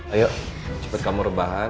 ayo cepat kamu rebahan